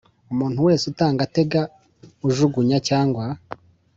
Umuntu wese utanga utega ujugunya cyangwa